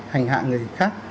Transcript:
hành hạ người khác